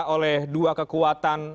oleh dua kekuatan